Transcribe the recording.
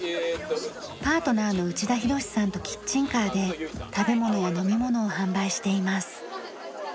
パートナーの内田ヒロシさんとキッチンカーで食べ物や飲み物を販売しています。